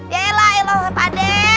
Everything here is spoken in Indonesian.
ya elah elah pak d